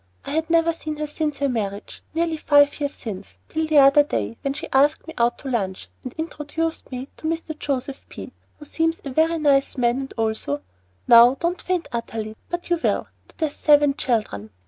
I had never seen her since her marriage, nearly five years since, till the other day, when she asked me out to lunch, and introduced me to Mr. Joseph P., who seems a very nice man, and also now don't faint utterly, but you will! to their seven children!